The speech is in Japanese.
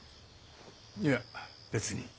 いや別に。